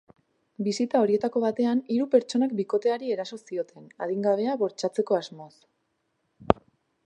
Bisita horietako batean, hiru pertsonak bikoteari eraso zioten, adingabea bortxatzeko asmoz.